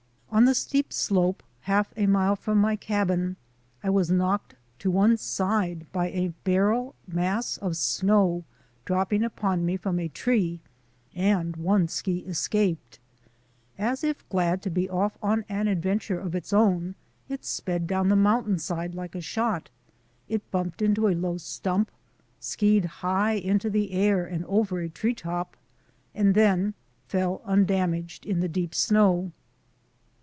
On the steep slope, half a mile from my cabin, I was knocked to one side by a barrel mass of snow dropping upon me from a tree, and one ski escaped. As if glad to be off on an adventure of its own, it sped down the moun tainside like a shot. It bumped into a low stump, skied high into the air and over a tree top, and then fell undamaged in the deep snow.